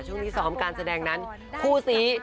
ช่วงที่ซ้อมการแสดงนั้นคู่ซี